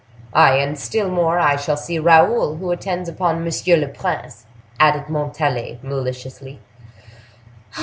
"Ay, and still more, I shall see Raoul, who attends upon M. le Prince," added Montalais, maliciously.